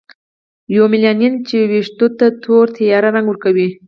یومیلانین چې ویښتو ته تور تیاره رنګ ورکوي.